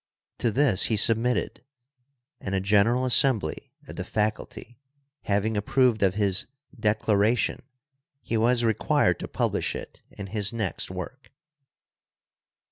To this he submitted, and a general assembly of the faculty having approved of his "Declara tion," he was required to publish it in his next work.